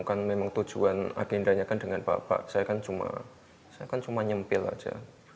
kan memang tujuan agendanya kan dengan bapak saya kan cuma nyempil aja